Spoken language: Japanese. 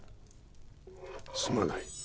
すまない。